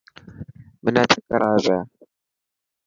منا چڪر آئي پيا.